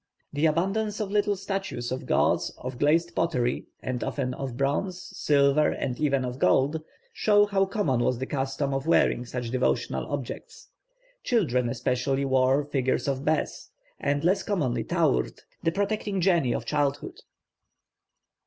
The abundance of little statuettes of gods of glazed pottery, and often of bronze, silver, and even of gold, show how common was the custom of wearing such devotional objects. Children especially wore figures of Bes, and less commonly Taurt, the protecting genii of childhood.